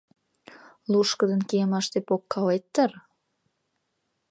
Лушкыдын кийымаште погкалет дыр?..